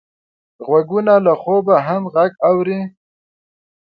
غوږونه له خوبه هم غږ اوري